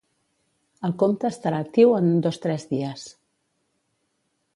El compte estarà actiu en dos-tres dies.